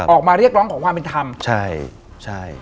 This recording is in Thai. ออกมาเรียกร้องของความเป็นทำ